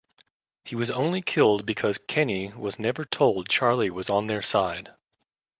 He was only killed because Kenny was never told Charlie was on their side.